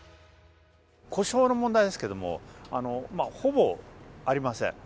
故障の問題ですけども、ほぼありません。